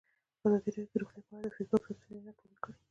ازادي راډیو د روغتیا په اړه د فیسبوک تبصرې راټولې کړي.